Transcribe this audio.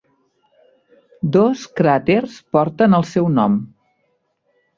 Dos cràters porten el seu nom.